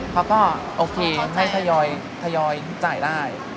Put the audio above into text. เขาก็โอเคให้ทยอยจ่ายได้